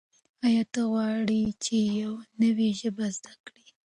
آیا ته غواړې چې یو نوی ژبه زده کړې؟